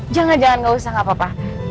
jangan jangan nggak usah nggak apa apa